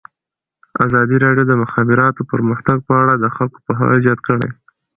ازادي راډیو د د مخابراتو پرمختګ په اړه د خلکو پوهاوی زیات کړی.